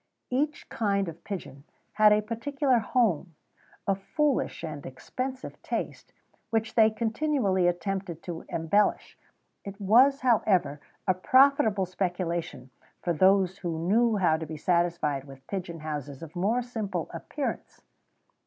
[XVII 93] Each kind of pigeon had a particular home[XVII 94] a foolish and expensive taste, which they continually attempted to embellish. It was, however, a profitable speculation for those who knew how to be satisfied with pigeon houses of more simple appearance.